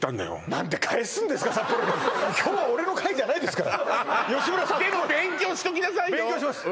何で帰すんですか札幌に今日は俺の回じゃないですからでも勉強しときなさいよ勉強します